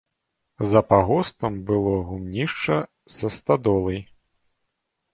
За пагостам было гумнішча са стадолай.